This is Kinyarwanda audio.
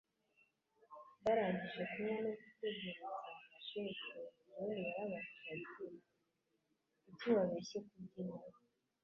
Barangije kunywa no gutegereza cheque, John yarabajije ati: "Kuki wabeshye kubyina?"